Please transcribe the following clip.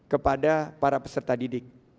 kepada para peserta didik